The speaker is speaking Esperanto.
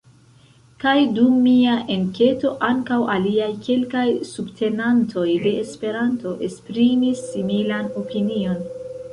Kaj dum mia enketo, ankaŭ aliaj kelkaj subtenantoj de Esperanto esprimis similan opinion.